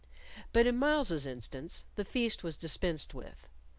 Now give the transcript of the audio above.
But in Myles's instance the feast was dispensed with.